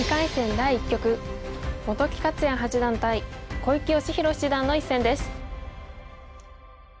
第１局本木克弥八段対小池芳弘七段の一戦です。